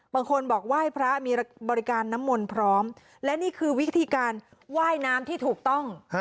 บางคนบอกไหว้พระมีบริการน้ำมนต์พร้อมและนี่คือวิธีการว่ายน้ำที่ถูกต้อง